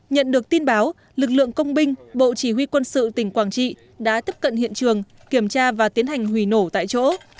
nhận được tin báo lực lượng công binh bộ chỉ huy quân sự tỉnh quảng trị đã tiếp cận hiện trường kiểm tra và tiến hành hủy nổ tại chỗ